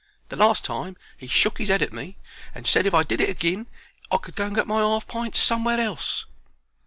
The last time he shook his 'ead at me, and said if I did it agin I could go and get my 'arf pints somewhere else.